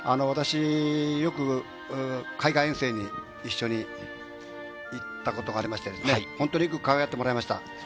私よく海外遠征に一緒に行った事がありまして、本当にかわいがってもらいました。